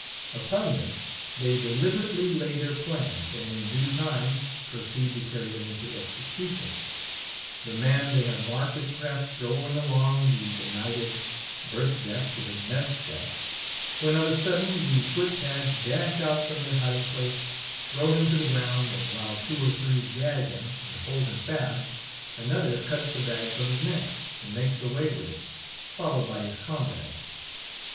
Upon this, they deliberately lay their plans; and in due time, proceed to carry them into execution. The man they have marked is perhaps strolling along the benighted berth deck to his mess chest; when of a sudden, the foot pads dash out from their hiding place, throw him down, and while two or three gag him, and hold him fast, another cuts the bag from his neck, and makes away with it, followed by his comrades.